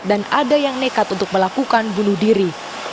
dan ada yang nekat untuk melakukan bunuh diri